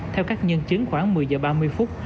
theo các nhân chứng khoảng một mươi giờ ba mươi phút